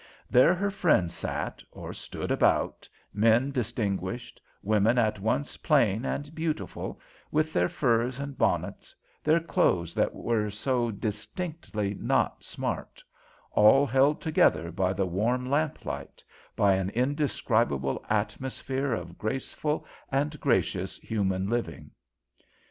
There her friends sat or stood about, men distinguished, women at once plain and beautiful, with their furs and bonnets, their clothes that were so distinctly not smart all held together by the warm lamp light, by an indescribable atmosphere of graceful and gracious human living.